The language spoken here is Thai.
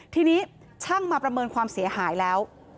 ทีนี้ช่างมาประเมินความเสียหายแล้ว